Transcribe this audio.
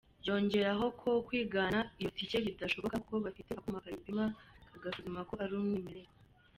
Yongeraho ko kwigana iyo tike bidashoboka kuko bafite akuma kayipima kagasuzuma ko ari umwimerere.